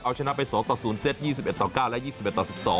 เอาชนะไป๒ต่อ๐เซต๒๑ต่อ๙และ๒๑ต่อ๑๒